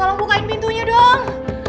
tolong bukain pintunya dong